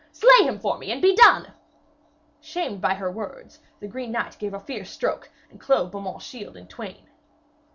Slay him for me and be done!' Shamed by her words the green knight gave a fierce stroke and clove Beaumains' shield in twain.